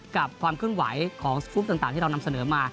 กับความคุ้นไหวของฟลุปต่างที่เรานำเสนอมา